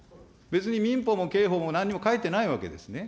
別に民法も刑法もなんにも書いてないわけですね。